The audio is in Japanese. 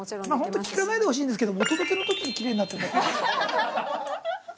◆ほんと、聞かないでほしいんですけどもお届けのときにきれいになって◆